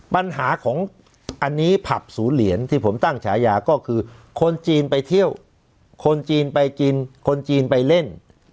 ปัญหาของอันนี้ผับศูนย์เหรียญที่ผมตั้งฉายาก็คือคนจีนไปเที่ยวคนจีนไปกินคนจีนไปเล่น